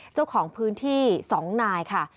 เจ้าของพื้นที่๒นายค่ะ